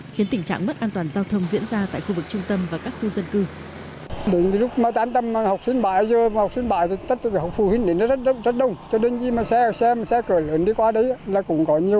khiến tình trạng mất an toàn giao thông diễn ra tại khu vực trung tâm và các khu dân cư